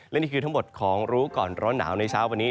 และนี่คือทั้งหมดของรู้ก่อนร้อนหนาวในเช้าวันนี้